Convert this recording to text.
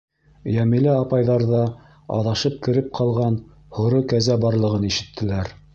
Йәмилә апайҙарҙа аҙашып кереп ҡалған һоро кәзә барлығын ишеттеләр.